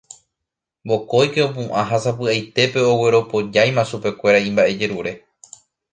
Vokóike opu'ã ha sapy'aitépe ogueropojáima chupekuéra imba'ejerure